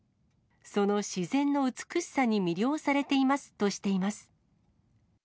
その自然の美しさに魅了されていますとしています。